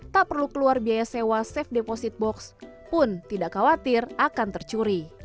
tak perlu keluar biaya sewa safe deposit box pun tidak khawatir akan tercuri